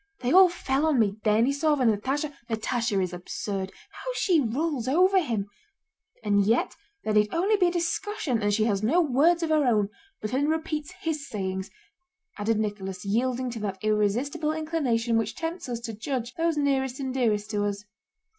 They all fell on me—Denísov and Natásha... Natásha is absurd. How she rules over him! And yet there need only be a discussion and she has no words of her own but only repeats his sayings..." added Nicholas, yielding to that irresistible inclination which tempts us to judge those nearest and dearest to us.